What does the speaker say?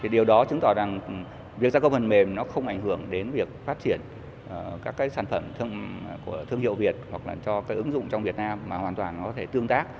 điều đó chứng tỏ rằng việc gia công phần mềm nó không ảnh hưởng đến việc phát triển các sản phẩm của thương hiệu việt